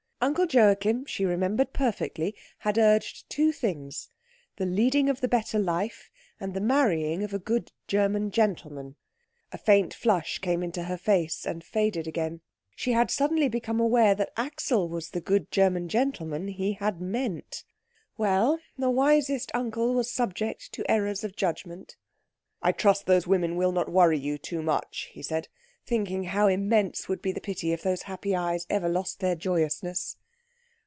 Uncle Joachim, she remembered perfectly, had urged two things the leading of the better life, and the marrying of a good German gentleman. A faint flush came into her face and faded again. She had suddenly become aware that Axel was the good German gentleman he had meant. Well, the wisest uncle was subject to errors of judgment. "I trust those women will not worry you too much," he said, thinking how immense would be the pity if those happy eyes ever lost their joyousness.